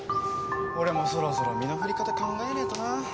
俺もそろそろ身の振り方考えねえとなあ。